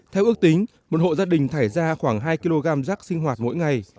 theo ước tính một hộ gia đình thải ra khoảng hai kg rác sinh hoạt mỗi ngày